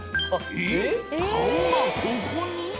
えっ顔がここに？